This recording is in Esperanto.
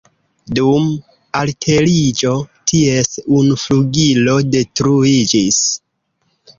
Dum alteriĝo, ties unu flugilo detruiĝis.